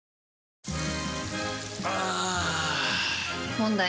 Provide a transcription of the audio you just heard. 問題。